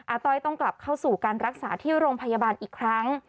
ต้อยต้องกลับเข้าสู่การรักษาที่โรงพยาบาลอีกครั้ง